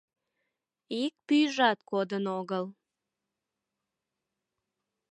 Ик пӱйжат кодын огыл.